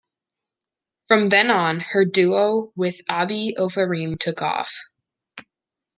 From then on, her duo with Abi Ofarim took off.